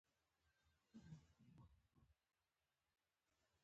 له بده مرغه فارویک باور نه کاوه چې انډریو مسؤل دی